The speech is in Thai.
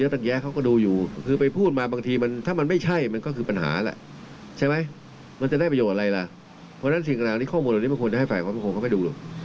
ถ้าพูดแบบนี้ออกไปมันมีผลประทบตั้งสิ้น